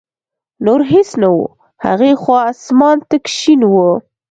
نور هېڅ نه و، هغې خوا اسمان تک شین و.